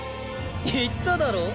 言っただろう？